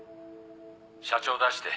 社長出して。